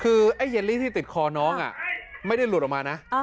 คือไอ้เยลลี่ที่ติดคอน้องไม่ได้หลุดออกมานะ